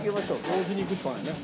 同時にいくしかないね。